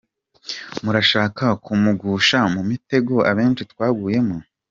Murashaka kumugusha mu mitego abenshi twaguyemo ?